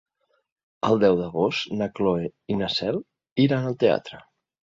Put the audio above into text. El deu d'agost na Cloè i na Cel iran al teatre.